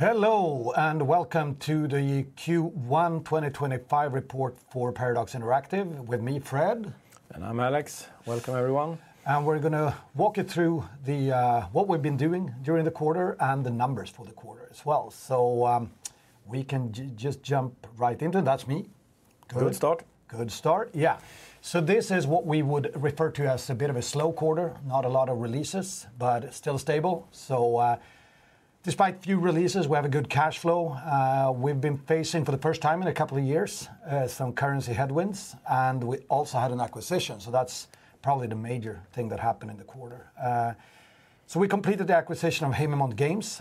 Hello and welcome to the Q1 2025 report for Paradox Interactive. With me, Fred. I'm Alex. Welcome, everyone. We're going to walk you through what we've been doing during the quarter and the numbers for the quarter as well. We can just jump right into it. That's me. Good start. Good start, yeah. This is what we would refer to as a bit of a slow quarter, not a lot of releases, but still stable. Despite few releases, we have a good cash flow. We've been facing, for the first time in a couple of years, some currency headwinds, and we also had an acquisition. That's probably the major thing that happened in the quarter. We completed the acquisition of Haemimont Games,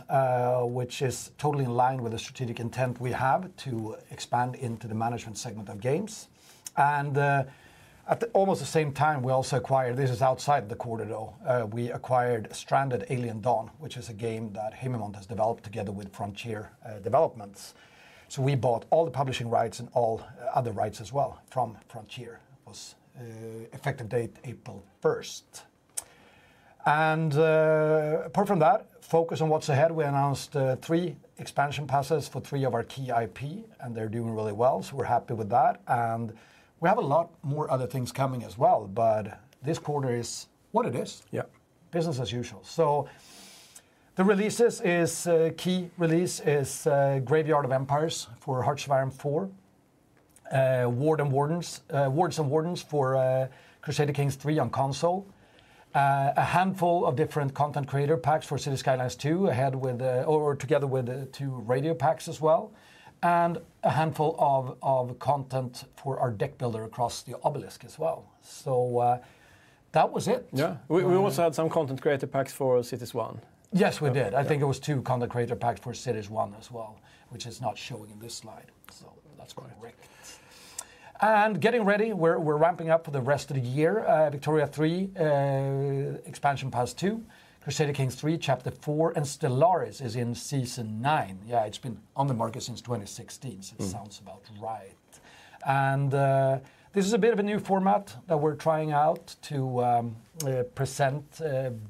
which is totally in line with the strategic intent we have to expand into the management segment of games. At almost the same time, we also acquired, this is outside the quarter, though, we acquired Stranded: Alien Dawn, which is a game that Haemimont has developed together with Frontier Developments. We bought all the publishing rights and all other rights as well from Frontier. It was effective date April 1st. Apart from that, focus on what's ahead. We announced three expansion passes for three of our key IP, and they're doing really well, so we're happy with that. We have a lot more other things coming as well, but this quarter is what it is. Yeah. Business as usual. The releases is key. Release is Graveyard of Empires for Hearts of Iron IV, Wards & Wardens for Crusader Kings III on console, a handful of different Content Creator Packs for Cities: Skylines II, ahead with, or together with, two radio packs as well, and a handful of content for our deck builder Across the Obelisk as well. That was it. Yeah. We also had some Content Creator Packs for Cities: Skylines. Yes, we did. I think it was two Content Creator Packs for Cities: Skylines I as well, which is not showing in this slide. That is correct. Getting ready, we're ramping up for the rest of the year. Victoria 3, Expansion Pass 2, Crusader Kings III, Chapter IV, and Stellaris is in Season 09. It has been on the market since 2016, so it sounds about right. This is a bit of a new format that we're trying out to present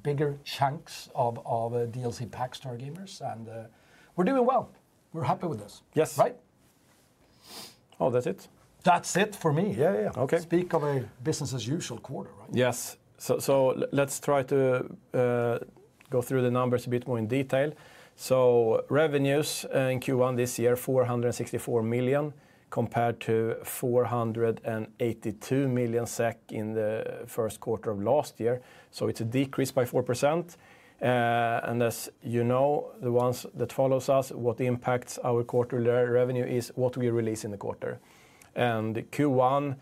bigger chunks of DLC packs to our gamers, and we're doing well. We're happy with this. Yes. Right? Oh, that's it? That's it for me. Yeah, yeah. Speak of a business as usual quarter, right? Yes. Let's try to go through the numbers a bit more in detail. Revenues in Q1 this year, 464 million compared to 482 million SEK in the Q1 of last year. It is a decrease by 4%. As you know, the ones that follow us, what impacts our quarterly revenue is what we release in the quarter. Q1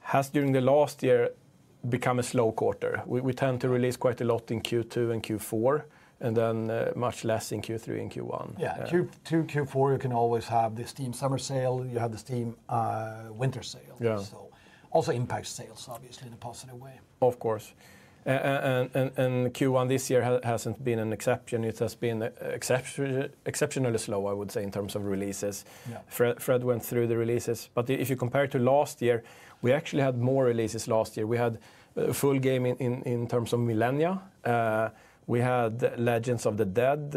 has, during the last year, become a slow quarter. We tend to release quite a lot in Q2 and Q4, and then much less in Q3 and Q1. Yeah. Q2, Q4, you can always have the Steam Summer Sale. You have the Steam Winter Sale. Yeah. It also impacts sales, obviously, in a positive way. Of course. Q1 this year has not been an exception. It has been exceptionally slow, I would say, in terms of releases. Fred went through the releases, but if you compare it to last year, we actually had more releases last year. We had full game in terms of Millennia. We had Legends of the Dead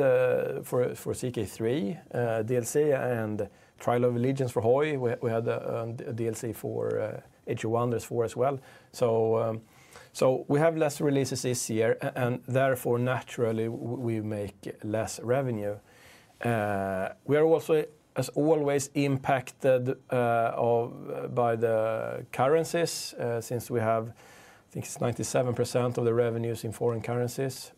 for CK3 DLC and Trial of Allegiance for Hearts of Iron IV. We had a DLC for Age of Wonders 4 as well. We have fewer releases this year, and therefore, naturally, we make less revenue. We are also, as always, impacted by the currencies since we have, I think it is 97% of the revenues in foreign currencies.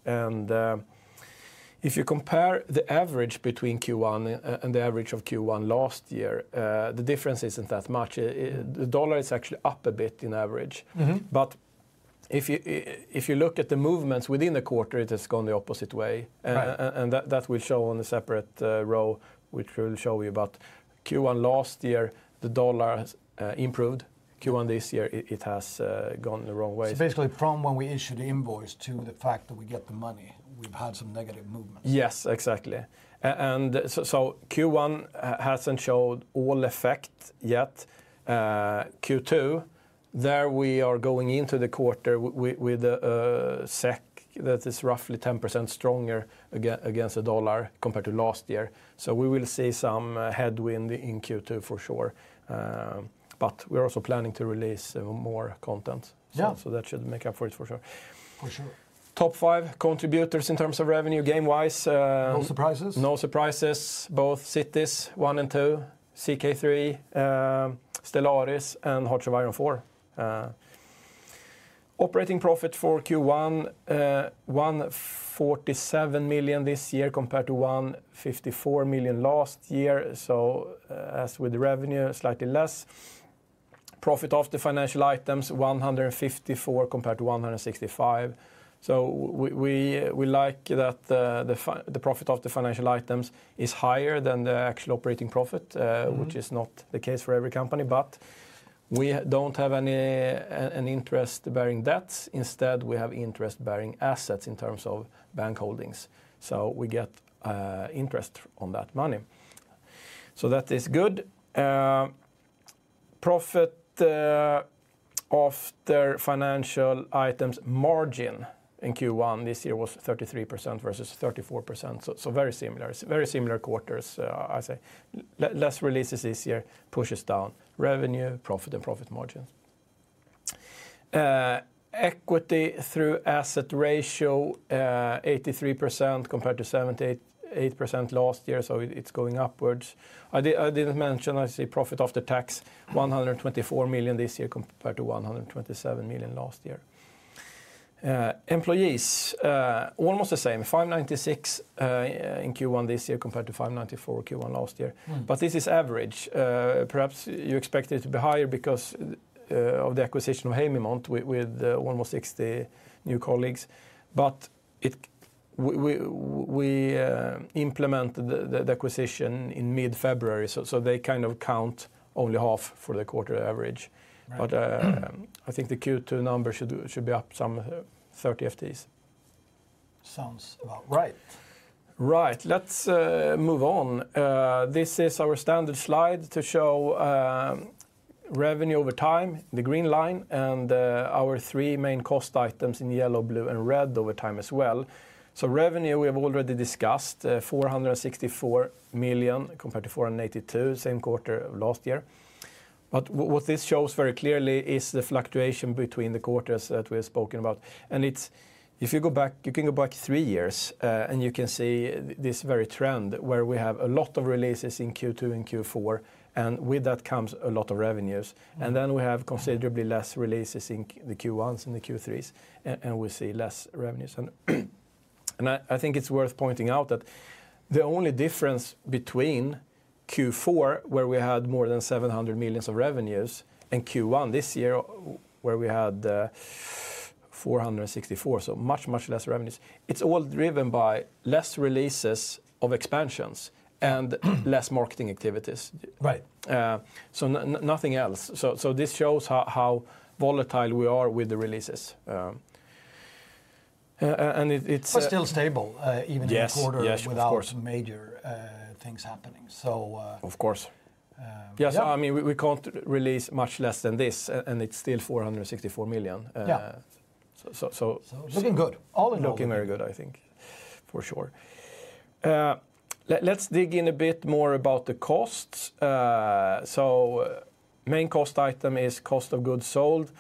If you compare the average between Q1 and the average of Q1 last year, the difference is not that much. The dollar is actually up a bit on average. If you look at the movements within the quarter, it has gone the opposite way. That will show on a separate row, which will show you about Q1 last year, the dollar improved. Q1 this year, it has gone the wrong way. Basically, from when we issued the invoice to the fact that we get the money, we've had some negative movements. Yes, exactly. Q1 has not showed all effect yet. Q2, we are going into the quarter with a SEK that is roughly 10% stronger against the dollar compared to last year. We will see some headwind in Q2 for sure. We are also planning to release more content. That should make up for it for sure. For sure. Top five contributors in terms of revenue game-wise. No surprises. No surprises. Both Cities: Skylines and Cities: Skylines II, CK3, Stellaris, and Hearts of Iron IV. Operating profit for Q1, 147 million this year compared to 154 million last year. As with the revenue, slightly less. Profit after financial items, 154 million compared to 165 million. We like that the profit after financial items is higher than the actual operating profit, which is not the case for every company. We do not have any interest-bearing debts. Instead, we have interest-bearing assets in terms of bank holdings. We get interest on that money. That is good. Profit after financial items margin in Q1 this year was 33% versus 34%. Very similar. It is very similar quarters, I say. Fewer releases this year push down revenue, profit, and profit margins. Equity to assets ratio, 83% compared to 78% last year. It is going upwards. I did not mention, I see profit after tax, 124 million this year compared to $127 million last year. Employees, almost the same, 596 in Q1 this year compared to 594 Q1 last year. This is average. Perhaps you expected it to be higher because of the acquisition of Haemimont with almost 60 new colleagues. We implemented the acquisition in mid-February. They kind of count only half for the quarter average. I think the Q2 number should be up some 30 FTEs. Sounds about right. Right. Let's move on. This is our standard slide to show revenue over time, the green line, and our three main cost items in yellow, blue, and red over time as well. Revenue we have already discussed, 464 million compared to 482 million, same quarter of last year. What this shows very clearly is the fluctuation between the quarters that we have spoken about. If you go back, you can go back three years, and you can see this very trend where we have a lot of releases in Q2 and Q4, and with that comes a lot of revenues. We have considerably less releases in the Q1s and the Q3s, and we see less revenues. I think it's worth pointing out that the only difference between Q4, where we had more than 700 million of revenues, and Q1 this year, where we had 464 million, so much, much less revenues, it's all driven by less releases of expansions and less marketing activities. Right. Nothing else. This shows how volatile we are with the releases. And it's. Still stable, even in the quarter without major things happening. Of course. Yeah, I mean, we can't release much less than this, and it's still 464 million. Yeah. Looking good. All in all. Looking very good, I think, for sure. Let's dig in a bit more about the costs. The main cost item is cost of goods sold,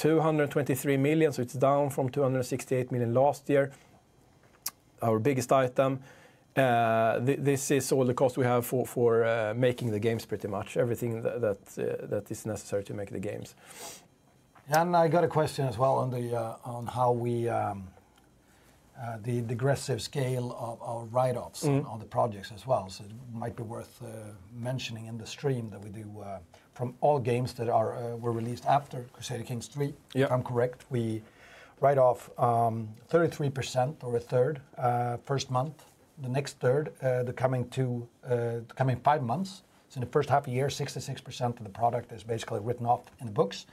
223 million, so it's down from 268 million last year, our biggest item. This is all the cost we have for making the games, pretty much everything that is necessary to make the games. I got a question as well on how we the aggressive scale of our write-offs on the projects as well. It might be worth mentioning in the stream that we do from all games that were released after Crusader Kings III. If I'm correct, we write off 33% or a third first month, the next third, the coming five months. In the first half of the year, 66% of the product is basically written off in the books.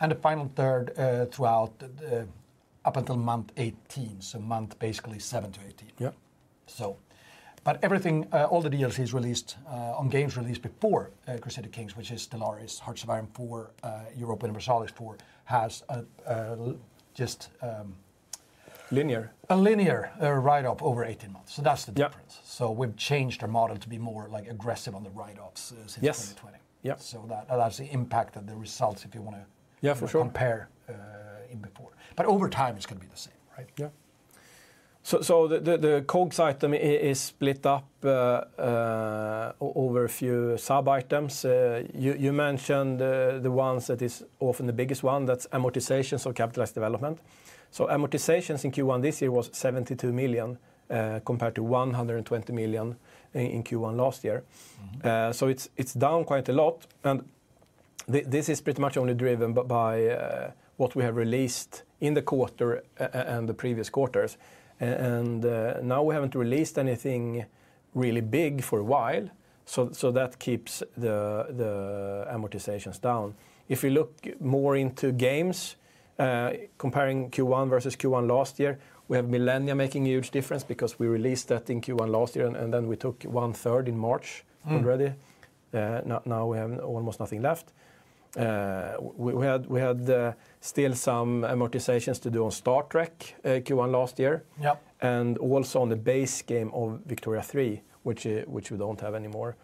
The final third throughout up until month 18, so month basically 7 to 18. Yeah. Everything, all the DLCs released on games released before Crusader Kings, which is Stellaris, Hearts of Iron IV, Europa Universalis IV, has just. Linear. A linear write-off over 18 months. That is the difference. We have changed our model to be more aggressive on the write-offs since 2020. Yes. That's the impact of the results if you want to compare in before. Over time, it's going to be the same, right? Yeah. The COGS item is split up over a few sub-items. You mentioned the one that is often the biggest one, that's amortizations or capitalized development. Amortizations in-Q1 this year was 72 million compared to 120 million in Q1 last year. It is down quite a lot. This is pretty much only driven by what we have released in the quarter and the previous quarters. Now we haven't released anything really big for a while. That keeps the amortizations down. If you look more into games, comparing Q1 versus Q1 last year, we have Millennia making a huge difference because we released that in Q1 last year, and then we took one third in March already. Now we have almost nothing left. We had still some amortizations to do on Stranded: Alien Dawn Q1 last year. Yeah. Also on the base game of Victoria 3, which we do not have anymore.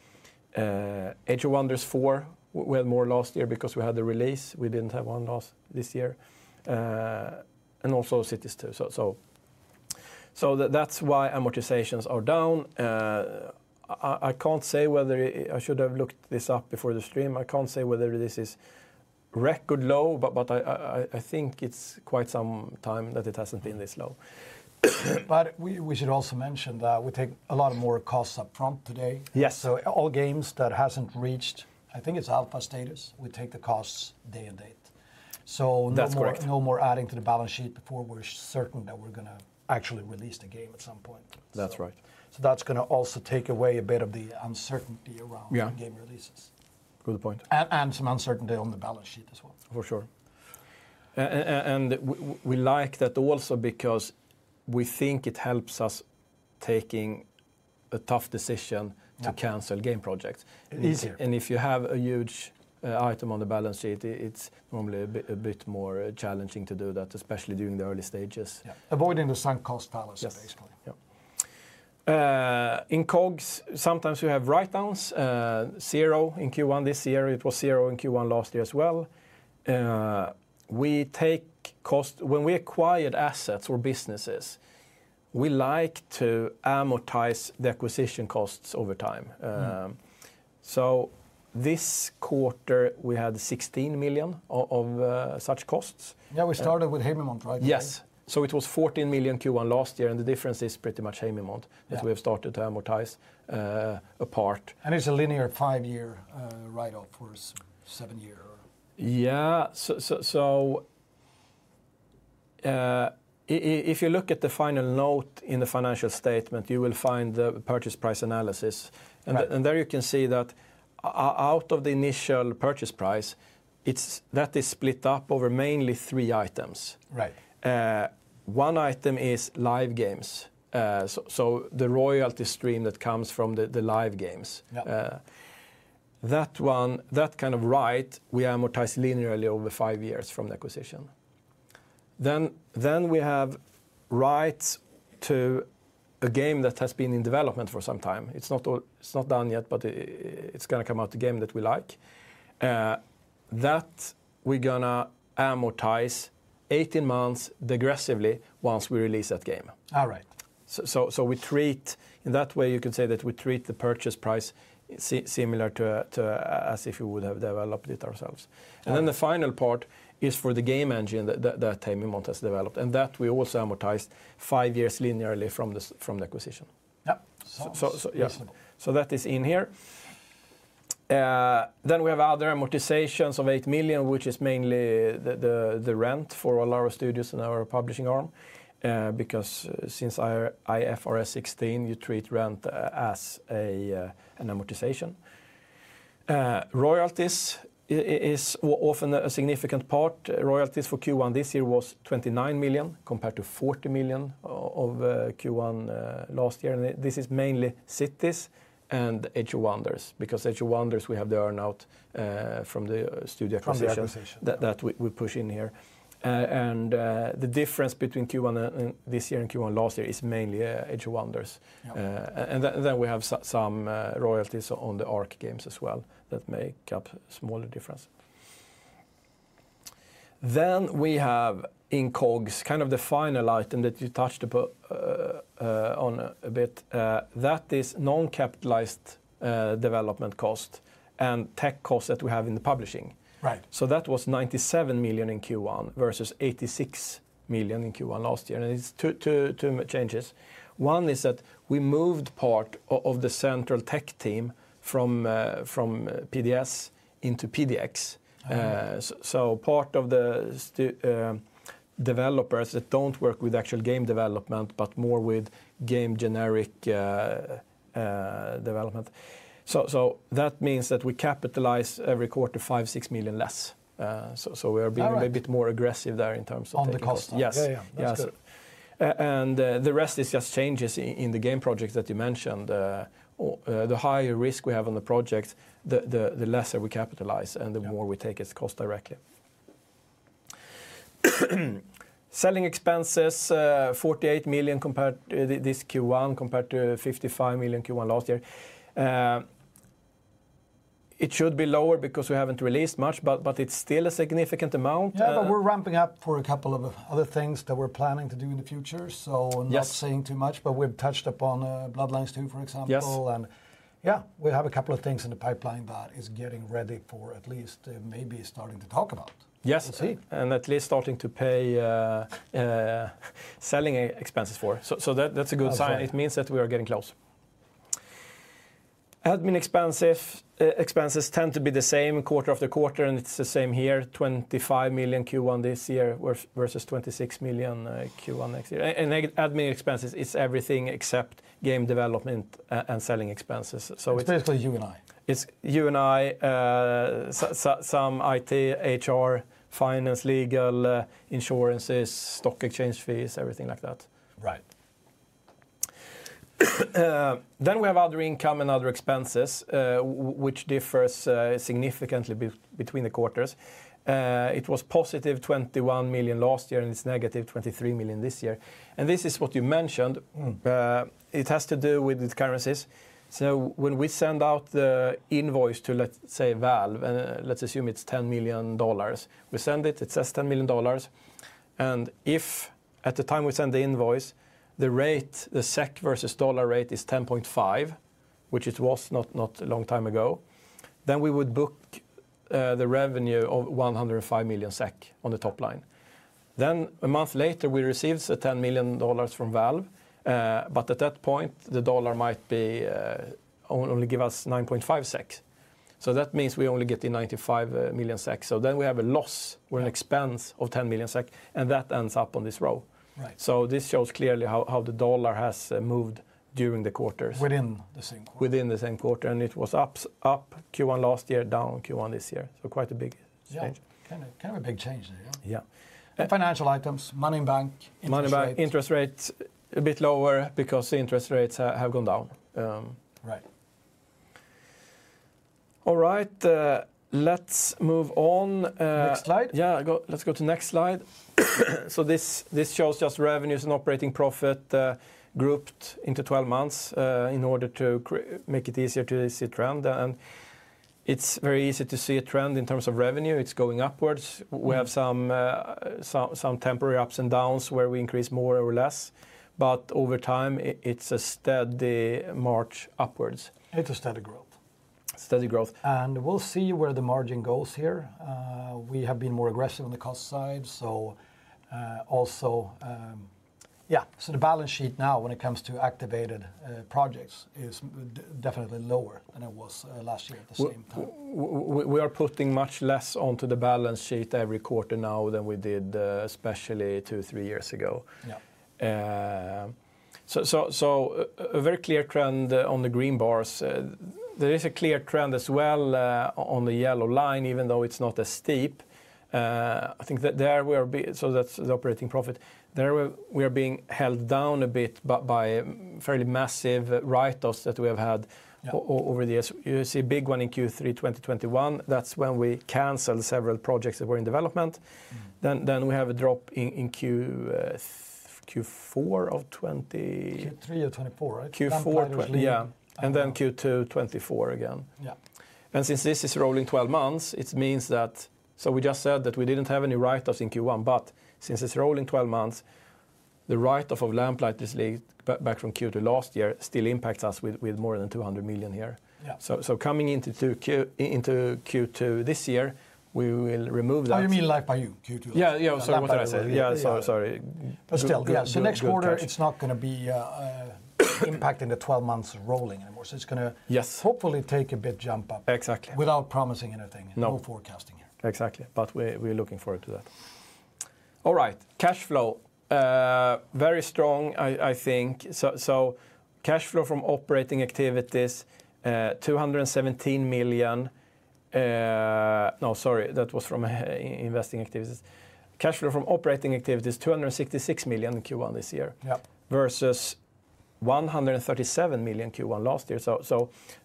Age of Wonders 4, we had more last year because we had the release. We did not have one last this year. Also Cities: Skylines II. That is why amortizations are down. I cannot say whether I should have looked this up before the stream. I cannot say whether this is record low, but I think it is quite some time that it has not been this low. We should also mention that we take a lot more costs upfront today. Yes. All games that have not reached, I think it is alpha status, we take the costs day and date. No more adding to the balance sheet before we are certain that we are going to actually release the game at some point. That's right. That is going to also take away a bit of the uncertainty around game releases. Good point. is some uncertainty on the balance sheet as well. For sure. We like that also because we think it helps us taking a tough decision to cancel game projects. Easier. If you have a huge item on the balance sheet, it's normally a bit more challenging to do that, especially during the early stages. Avoiding the sunk cost fallacy, basically. Yeah. In COGS, sometimes you have write-downs, zero in Q1 this year. It was zero in Q1 last year as well. We take cost when we acquired assets or businesses, we like to amortize the acquisition costs over time. This quarter, we had 16 million of such costs. Yeah, we started with Haemimont, right? Yes. It was $14 million Q1 last year, and the difference is pretty much Haemimont that we have started to amortize apart. It's a linear five-year write-off for seven years. Yeah. If you look at the final note in the financial statement, you will find the purchase price analysis. There you can see that out of the initial purchase price, that is split up over mainly three items. Right. One item is live games. The royalty stream that comes from the live games, we amortize linearly over five years from the acquisition. We have rights to a game that has been in development for some time. It's not done yet, but it's going to come out, a game that we like. We're going to amortize 18 months digressively once we release that game. All right. We treat it in that way, you could say that we treat the purchase price similar to as if we would have developed it ourselves. The final part is for the game engine that Haemimont has developed, and that we also amortize five years linearly from the acquisition. Yeah. That is in here. Then we have other amortizations of $8 million, which is mainly the rent for a lot of studios in our publishing arm. Because since IFRS 16, you treat rent as an amortization. Royalties is often a significant part. Royalties for Q1 this year was 29 million compared to 40 million of Q1 last year. This is mainly Cities: Skylines and Age of Wonders 4. Because Age of Wonders 4, we have the earnout from the studio acquisition. Studio acquisition. That we push in here. The difference between Q1 this year and Q1 last year is mainly Age of Wonders. We have some royalties on the Arc games as well that make up a smaller difference. In COGS, kind of the final item that you touched on a bit, that is non-capitalized development cost and tech costs that we have in the publishing. Right. That was 97 million in Q1 versus 86 million in Q1 last year. It is two changes. One is that we moved part of the central tech team from PDS into PDX. Part of the developers do not work with actual game development, but more with game generic development. That means that we capitalize every quarter $5-6 million less. We are being a bit more aggressive there in terms of. On the cost. Yes. The rest is just changes in the game projects that you mentioned. The higher risk we have on the project, the lesser we capitalize and the more we take as cost directly. Selling expenses, 48 million this Q1 compared to 55 million Q1 last year. It should be lower because we have not released much, but it is still a significant amount. Yeah, we are ramping up for a couple of other things that we are planning to do in the future. Not saying too much, but we have touched upon Bloodlines 2, for example. Yes. Yeah, we have a couple of things in the pipeline that is getting ready for at least maybe starting to talk about. Yes, and at least starting to pay selling expenses for. That is a good sign. It means that we are getting close. Admin expenses tend to be the same quarter after quarter, and it is the same here, 25 million Q1 this year versus 26 million Q1 next year. Admin expenses is everything except game development and selling expenses. It's basically you and I. It's you and I, some IT, HR, finance, legal, insurances, stock exchange fees, everything like that. Right. We have other income and other expenses, which differs significantly between the quarters. It was positive 21 million last year and it is negative 23 million this year. This is what you mentioned. It has to do with the currencies. When we send out the invoice to, let's say, Valve, and let's assume it is $10 million, we send it, it says $10 million. If at the time we send the invoice, the SEK versus dollar rate is 10.5, which it was not a long time ago, we would book the revenue of 105 million SEK on the top line. A month later, we receive $10 million from Valve, but at that point, the dollar might only give us 9.5 SEK. That means we only get 95 million. Then we have a loss or an expense of 10 million, and that ends up on this row. Right. This shows clearly how the dollar has moved during the quarters. Within the same quarter. Within the same quarter. It was up Q1 last year, down Q1 this year. Quite a big change. Yeah, kind of a big change there. Yeah. Financial items, money in bank interest rates. Money in bank interest rates, a bit lower because interest rates have gone down. Right. All right, let's move on. Next slide. Yeah, let's go to the next slide. This shows just revenues and operating profit grouped into 12 months in order to make it easier to see a trend. It's very easy to see a trend in terms of revenue. It's going upwards. We have some temporary ups and downs where we increase more or less. Over time, it's a steady march upwards. It's a steady growth. Steady growth. We'll see where the margin goes here. We have been more aggressive on the cost side. Yeah, the balance sheet now when it comes to activated projects is definitely lower than it was last year at the same time. We are putting much less onto the balance sheet every quarter now than we did, especially two or three years ago. Yeah. is a very clear trend on the green bars. There is a clear trend as well on the yellow line, even though it's not as steep. I think that there we are being, so that's the operating profit. There we are being held down a bit by fairly massive write-offs that we have had over the years. You see a big one in Q3 2021. That's when we canceled several projects that were in development. Then we have a drop in Q4 of 2020. Q3 or 24, right? Q4, yeah. And then Q2 2024 again. Yeah. Since this is rolling 12 months, it means that, so we just said that we did not have any write-offs in Q1, but since it is rolling 12 months, the write-off The Lamplighters League back from Q2 last year still impacts us with more than 200 million here. Yeah. Coming into Q2 this year, we will remove that. Oh, you mean like by Q2? Yeah, yeah, sorry, what did I say? Sorry. Still, yeah, next quarter, it's not going to be impacting the 12 months rolling anymore. It's going to hopefully take a big jump up. Exactly. Without promising anything. No. No forecasting here. Exactly, but we're looking forward to that. All right, cash flow, very strong, I think. Cash flow from operating activities, 217 million. No, sorry, that was from investing activities. Cash flow from operating activities, 266 million in Q1 this year. Yeah. Versus 137 million Q1 last year.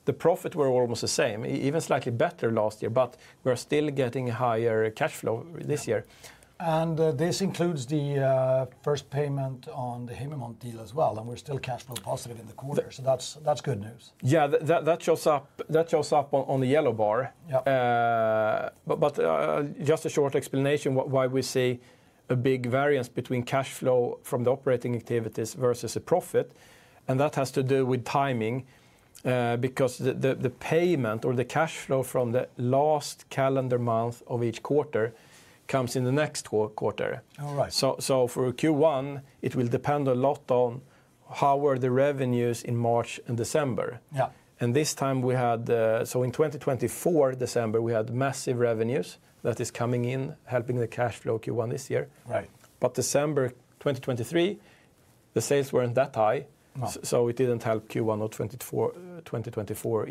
The profits were almost the same, even slightly better last year, but we're still getting higher cash flow this year. This includes the first payment on the Haemimont deal as well. We are still cash flow positive in the quarter. That is good news. Yeah, that shows up on the yellow bar. Yeah. Just a short explanation why we see a big variance between cash flow from the operating activities versus the profit. That has to do with timing because the payment or the cash flow from the last calendar month of each quarter comes in the next quarter. All right. For Q1, it will depend a lot on how were the revenues in March and December. Yeah. In 2024, December, we had massive revenues that is coming in, helping the cash flow Q1 this year. Right. December 2023, the sales weren't that high. No. It did not help Q1 or 2024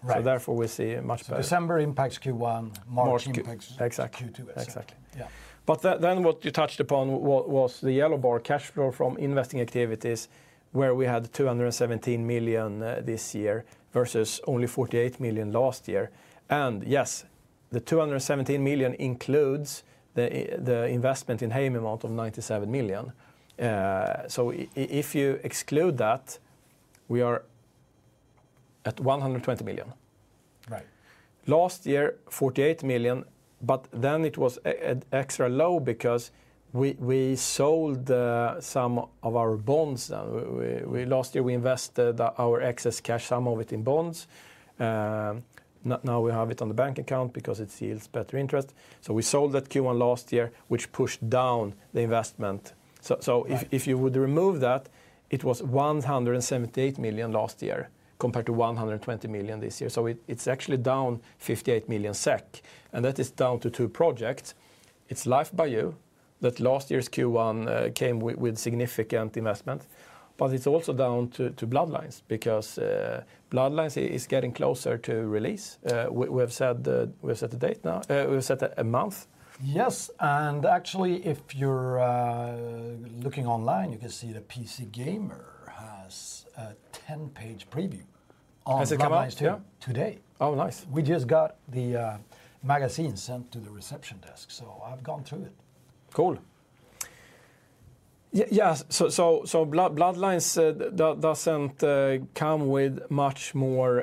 equally. Right. Therefore we see much. December impacts Q1, March impacts. March impacts Q2. Q2, exactly. Exactly. Yeah. What you touched upon was the yellow bar, cash flow from investing activities, where we had 217 million this year versus only 48 million last year. Yes, the 217 million includes the investment in Haemimont Games of 97 million. If you exclude that, we are at 120 million. Right. Last year, 48 million, but then it was extra low because we sold some of our bonds then. Last year, we invested our excess cash, some of it in bonds. Now we have it on the bank account because it yields better interest. We sold that in Q1 last year, which pushed down the investment. If you would remove that, it was 178 million last year compared to 120 million this year. It is actually down 58 million SEK. That is down to two projects. It is Life by You that last year's Q1 came with significant investment. It is also down to Bloodlines because Bloodlines is getting closer to release. We have set the date now. We have set a month. Yes. Actually, if you're looking online, you can see that PC Gamer has a 10-page preview on Bloodlines 2. Has it come out? Yeah, today. Oh, nice. We just got the magazine sent to the reception desk. I've gone through it. Cool. Yeah, so Bloodlines doesn't come with much more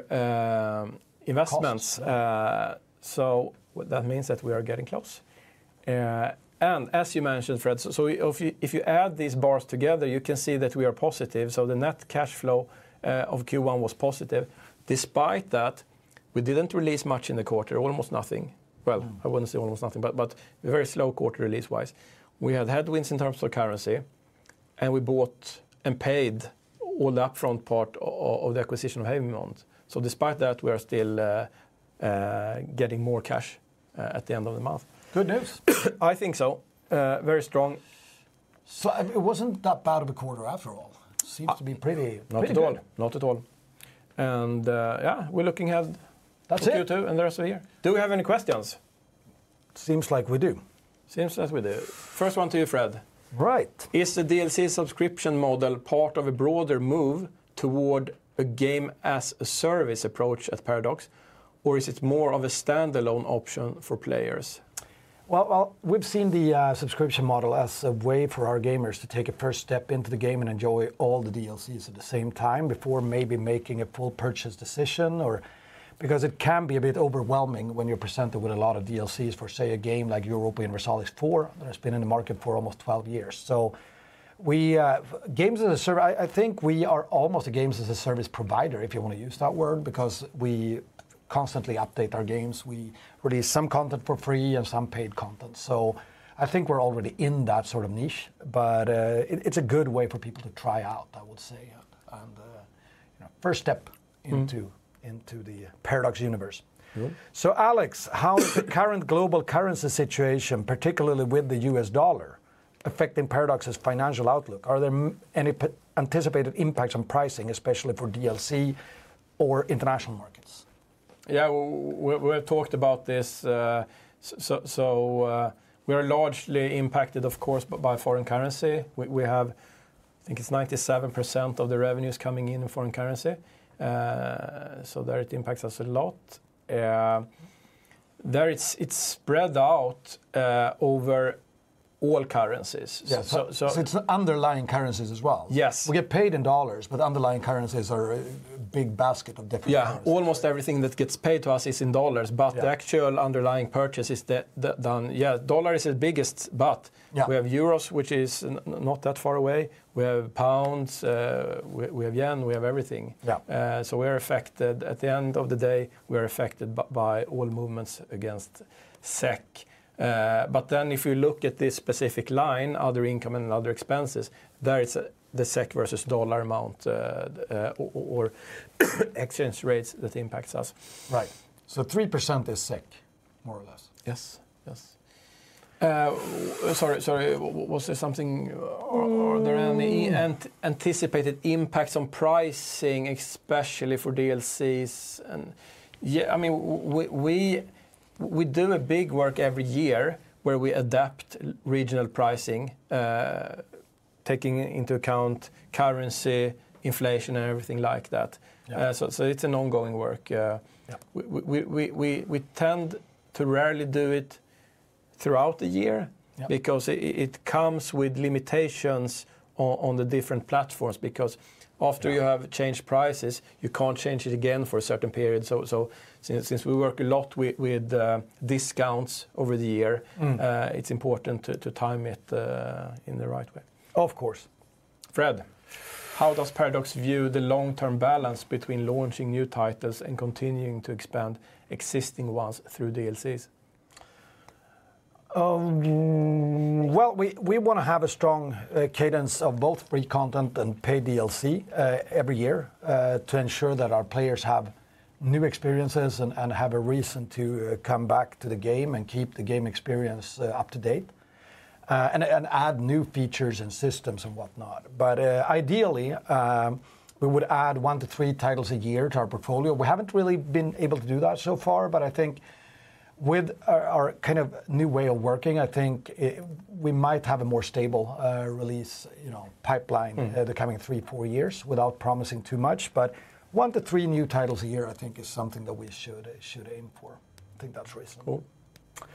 investments. Not much. That means that we are getting close. And as you mentioned, Fred, if you add these bars together, you can see that we are positive. The net cash flow of Q1 was positive. Despite that, we did not release much in the quarter, almost nothing. I would not say almost nothing, but very slow quarter release-wise. We had headwinds in terms of currency, and we bought and paid all the upfront part of the acquisition of Haemimont. Despite that, we are still getting more cash at the end of the month. Good news. I think so. Very strong. It was not that bad of a quarter after all. Seems to be pretty, pretty good. Not at all. Not at all. Yeah, we're looking ahead to Q2 and the rest of the year. Do we have any questions? Seems like we do. Seems like we do. First one to you, Fred. Right. Is the DLC subscription model part of a broader move toward a game as a service approach at Paradox? Or is it more of a standalone option for players? We have seen the subscription model as a way for our gamers to take a first step into the game and enjoy all the DLCs at the same time before maybe making a full purchase decision. Or because it can be a bit overwhelming when you are presented with a lot of DLCs for, say, a game like Europa Universalis IV that has been in the market for almost 12 years. We games as a service, I think we are almost a games as a service provider, if you want to use that word, because we constantly update our games. We release some content for free and some paid content. I think we are already in that sort of niche, but it is a good way for people to try out, I would say, and first step into the Paradox universe. Alex, how is the current global currency situation, particularly with the US dollar, affecting Paradox's financial outlook? Are there any anticipated impacts on pricing, especially for DLC or international markets? Yeah, we've talked about this. We are largely impacted, of course, by foreign currency. We have, I think it's 97% of the revenues coming in in foreign currency. It impacts us a lot. It's spread out over all currencies. It's underlying currencies as well. Yes. We get paid in dollars, but underlying currencies are a big basket of different currencies. Yeah, almost everything that gets paid to us is in dollars, but the actual underlying purchase is done. Yeah, dollar is the biggest, but we have euros, which is not that far away. We have pounds, we have yen, we have everything. Yeah. We are affected, at the end of the day, we are affected by all movements against SEK. If you look at this specific line, other income and other expenses, there is the SEK versus dollar amount or exchange rates that impacts us. Right. 3% is SEK, more or less. Yes, yes. Sorry, was there something, are there any anticipated impacts on pricing, especially for DLCs? Yeah, I mean, we do a big work every year where we adapt regional pricing, taking into account currency, inflation, and everything like that. It is an ongoing work. We tend to rarely do it throughout the year because it comes with limitations on the different platforms. After you have changed prices, you cannot change it again for a certain period. Since we work a lot with discounts over the year, it is important to time it in the right way. Of course. Fred, how does Paradox view the long-term balance between launching new titles and continuing to expand existing ones through DLCs? We want to have a strong cadence of both free content and paid DLC every year to ensure that our players have new experiences and have a reason to come back to the game and keep the game experience up to date and add new features and systems and whatnot. Ideally, we would add one to three titles a year to our portfolio. We have not really been able to do that so far, but I think with our kind of new way of working, I think we might have a more stable release pipeline the coming three, four years without promising too much. One to three new titles a year, I think, is something that we should aim for. I think that is reasonable. Cool.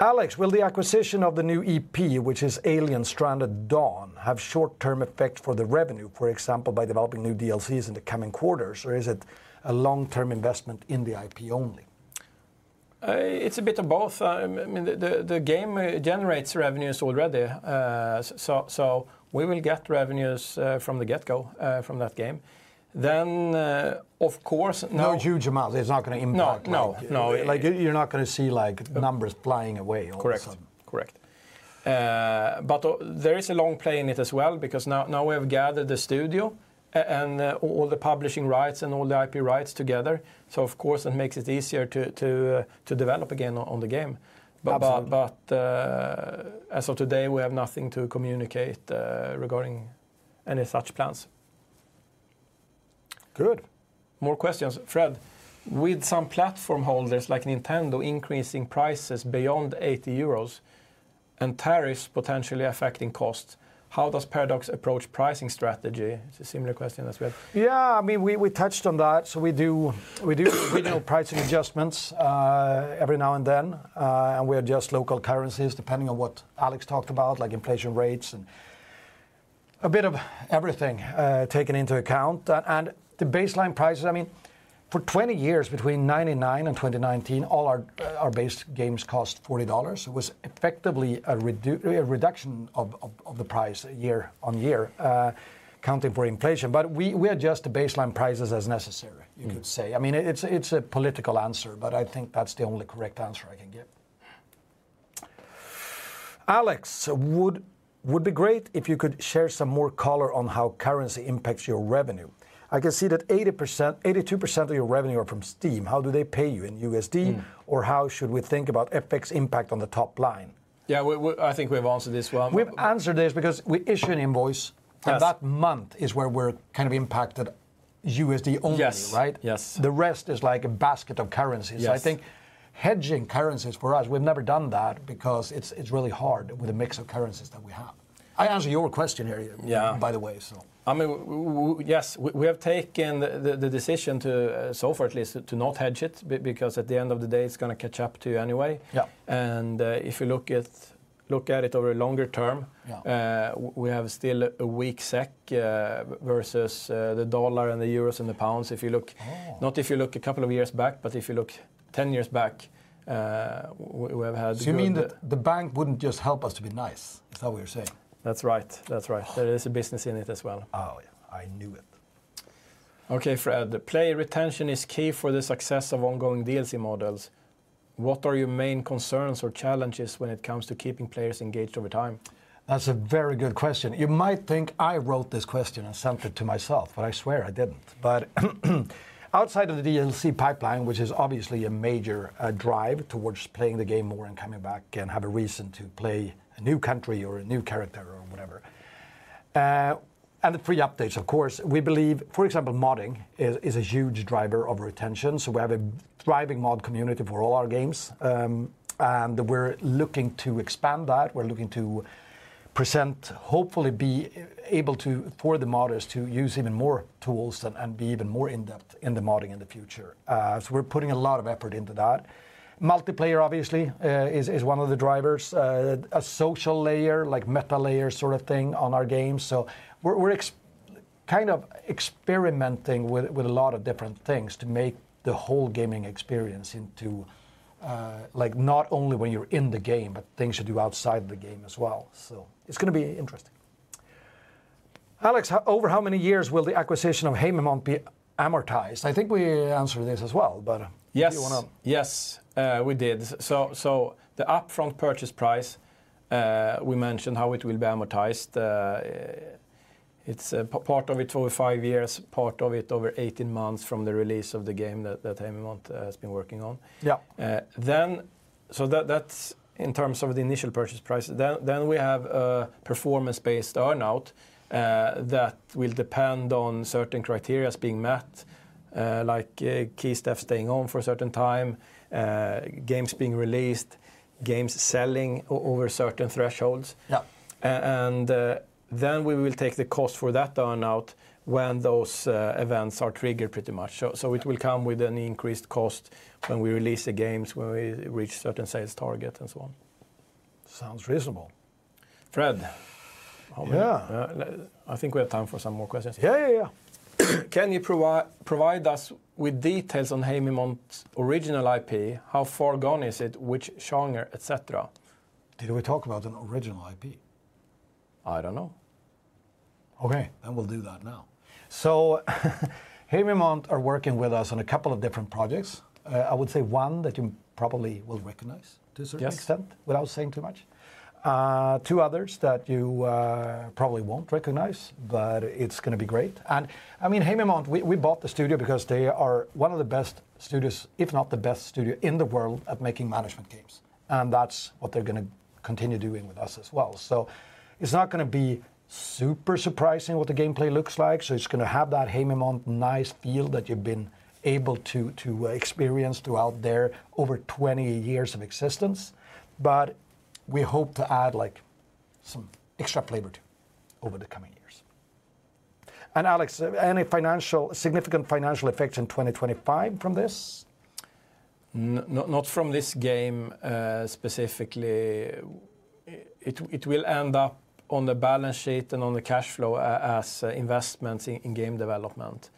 Alex, will the acquisition of the new EP, which is Stranded: Alien Dawn, have short-term effect for the revenue, for example, by developing new DLCs in the coming quarters? Or is it a long-term investment in the IP only? It's a bit of both. I mean, the game generates revenues already. So we will get revenues from the get-go from that game. Then, of course, now. No huge amount. It's not going to impact. No, no, no. Like you're not going to see like numbers flying away. Correct, correct. There is a long play in it as well because now we have gathered the studio and all the publishing rights and all the IP rights together. Of course, it makes it easier to develop again on the game. As of today, we have nothing to communicate regarding any such plans. Good. More questions. Fred, with some platform holders like Nintendo increasing prices beyond 80 euros and tariffs potentially affecting costs, how does Paradox approach pricing strategy? It's a similar question as Fred. Yeah, I mean, we touched on that. We do regional pricing adjustments every now and then. We adjust local currencies depending on what Alex talked about, like inflation rates and a bit of everything taken into account. The baseline prices, I mean, for 20 years between 1999 and 2019, all our base games cost $40. It was effectively a reduction of the price year on year, counting for inflation. We adjust the baseline prices as necessary, you could say. I mean, it's a political answer, but I think that's the only correct answer I can give. Alex, it would be great if you could share some more color on how currency impacts your revenue. I can see that 82% of your revenue are from Steam. How do they pay you in USD? Or how should we think about FX impact on the top line? Yeah, I think we have answered this one. We've answered this because we issue an invoice. Yes. That month is where we're kind of impacted USD only, right? Yes. The rest is like a basket of currencies. Yes. I think hedging currencies for us, we've never done that because it's really hard with the mix of currencies that we have. I answered your question here, by the way, so. I mean, yes, we have taken the decision to, so far at least, to not hedge it because at the end of the day, it's going to catch up to you anyway. Yeah. If you look at it over a longer term, we have still a weak SEK versus the dollar and the euros and the pounds. If you look, not if you look a couple of years back, but if you look 10 years back, we have had. You mean that the bank wouldn't just help us to be nice? Is that what you're saying? That's right. That's right. There is a business in it as well. Oh, yeah, I knew it. Okay, Fred, player retention is key for the success of ongoing DLC models. What are your main concerns or challenges when it comes to keeping players engaged over time? That's a very good question. You might think I wrote this question and sent it to myself, but I swear I didn't. Outside of the DLC pipeline, which is obviously a major drive towards playing the game more and coming back and have a reason to play a new country or a new character or whatever, and the free updates, of course, we believe, for example, modding is a huge driver of retention. We have a thriving mod community for all our games. We're looking to expand that. We're looking to present, hopefully be able to, for the modders to use even more tools and be even more in-depth in the modding in the future. We're putting a lot of effort into that. Multiplayer, obviously, is one of the drivers. A social layer, like meta layer sort of thing on our games. We're kind of experimenting with a lot of different things to make the whole gaming experience into like not only when you're in the game, but things you do outside the game as well. It's going to be interesting. Alex, over how many years will the acquisition of Haemimont be amortized? I think we answered this as well, but do you want to? Yes, yes, we did. The upfront purchase price, we mentioned how it will be amortized. It's part of it over five years, part of it over 18 months from the release of the game that Haemimont has been working on. Yeah. That is in terms of the initial purchase price. Then we have a performance-based earn-out that will depend on certain criteria being met, like key staff staying on for a certain time, games being released, games selling over certain thresholds. Yeah. We will take the cost for that earn-out when those events are triggered, pretty much. It will come with an increased cost when we release the games, when we reach certain sales targets, and so on. Sounds reasonable. Fred. Yeah. I think we have time for some more questions. Yeah, yeah. Can you provide us with details on Haemimont's original IP? How far gone is it? Which genre, et cetera? Did we talk about an original IP? I don't know. Okay. Then we'll do that now. Haemimont are working with us on a couple of different projects. I would say one that you probably will recognize to a certain extent without saying too much. Two others that you probably will not recognize, but it is going to be great. I mean, Haemimont, we bought the studio because they are one of the best studios, if not the best studio in the world at making management games. That is what they are going to continue doing with us as well. It is not going to be super surprising what the gameplay looks like. It is going to have that Haemimont nice feel that you have been able to experience throughout their over 20 years of existence. We hope to add some extra flavor to it over the coming years. Alex, any significant financial effects in 2025 from this? Not from this game specifically. It will end up on the balance sheet and on the cash flow as investments in game development.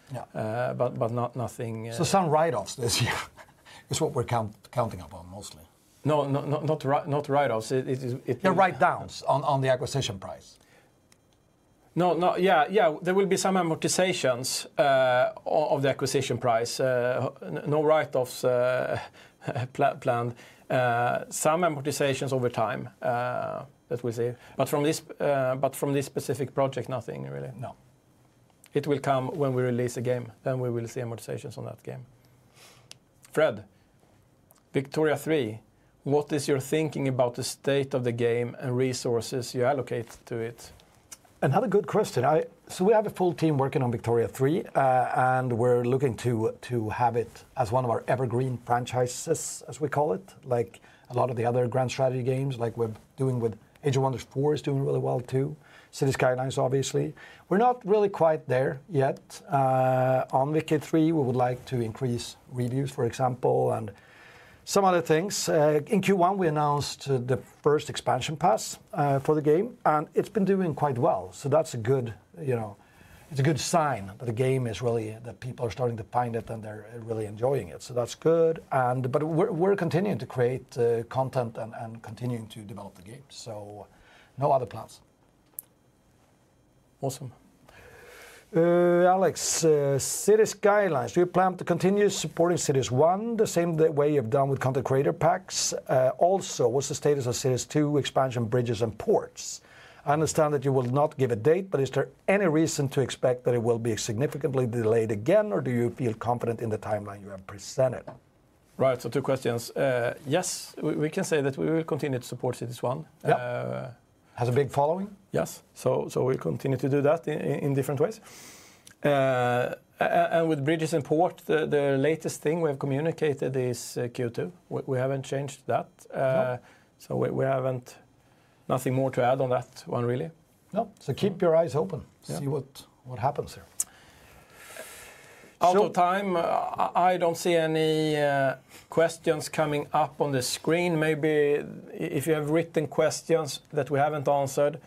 Nothing. Some write-offs this year is what we're counting up on mostly. No, not write-offs. The write-downs on the acquisition price. No, no, yeah, yeah. There will be some amortizations of the acquisition price. No write-offs planned. Some amortizations over time that we see. From this specific project, nothing really. No. It will come when we release the game. Then we will see amortizations on that game. Fred, Victoria 3, what is your thinking about the state of the game and resources you allocate to it? Another good question. We have a full team working on Victoria 3, and we're looking to have it as one of our evergreen franchises, as we call it, like a lot of the other grand strategy games like we're doing with Age of Wonders 4 is doing really well too. Cities: Skylines, obviously. We're not really quite there yet. On Victoria 3, we would like to increase reviews, for example, and some other things. In Q1, we announced the first expansion pass for the game, and it's been doing quite well. That's a good, you know, it's a good sign that the game is really, that people are starting to find it and they're really enjoying it. That's good. We are continuing to create content and continuing to develop the game. No other plans. Awesome. Alex, Cities: Skylines, do you plan to continue supporting Cities 1 the same way you've done with Content Creator Packs? Also, what's the status of Cities: Skylines II expansion Bridges & Ports? I understand that you will not give a date, but is there any reason to expect that it will be significantly delayed again, or do you feel confident in the timeline you have presented? Right, two questions. Yes, we can say that we will continue to support Cities 1. Yeah, has a big following. Yes. We will continue to do that in different ways. With Bridges & Ports, the latest thing we have communicated is Q2. We have not changed that. We have nothing more to add on that one, really. No, keep your eyes open. See what happens here. Out of time, I do not see any questions coming up on the screen. Maybe if you have written questions that we have not answered,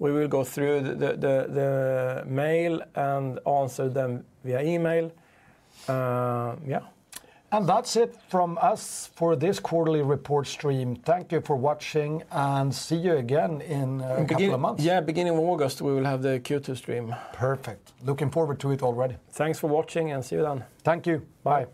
we will go through the mail and answer them via email. Yeah. That is it from us for this quarterly report stream. Thank you for watching and see you again in a couple of months. Beginning of August, we will have the Q2 stream. Perfect. Looking forward to it already. Thanks for watching and see you then. Thank you. Bye.